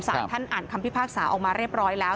สารท่านอ่านคำพิพากษาออกมาเรียบร้อยแล้ว